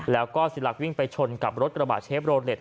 แล้วก็เสียหลักวิ่งไปชนกับรถกระบะเชฟโรเล็ต